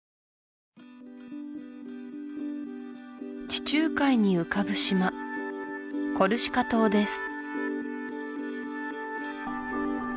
地中海に浮かぶ島コルシカ島です